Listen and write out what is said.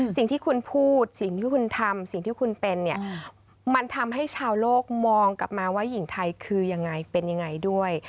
สิ่งที่คุณพูดสิ่งที่คุณทำสิ่งที่คุณเป็นเนี่ยมันทำให้ชาวโลกมองกลับมาว่าหญิงไทยคือยังไงเป็นยังไงด้วย